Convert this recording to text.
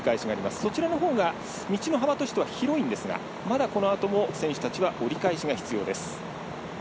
そちらのほうが道の幅としては広いんですが選手たちは折り返しが必要です。